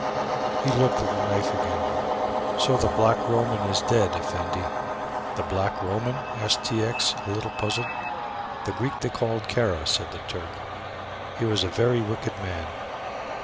He looked at the knife again. "So the Black Roman is dead, Effendi." "The Black Roman?" asked T. X., a little puzzled. "The Greek they call Kara," said the Turk; "he was a very wicked man."